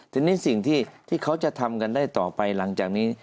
ทีนี้สิ่งที่เขาจะทำกันได้ต่อไปหลังจากนี้